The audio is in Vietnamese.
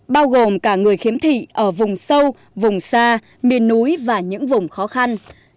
bao gồm cả người khiếm thị ở vùng sâu vùng xa miền núi và những vùng khó khăn